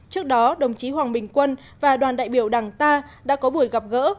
trước đó đồng chí hoàng bình quân và đoàn đại biểu đảng ta đã có buổi gặp gỡ